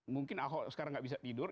mungkin ahok sekarang nggak bisa tidur